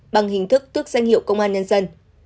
bằng hình thức tước danh hiệu công an nhân dân